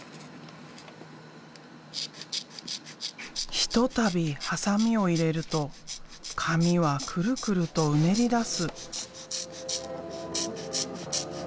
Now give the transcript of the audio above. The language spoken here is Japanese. ひとたびハサミを入れると紙はくるくるとうねりだす。